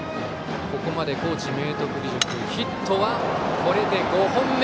ここまで高知・明徳義塾ヒットはこれで５本目！